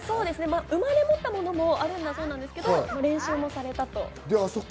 生まれ持ったものもあるんだそうですけど、練習もされたと。